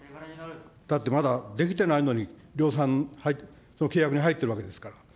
だってまだ、できてないのに量産の契約に入ってるわけですから。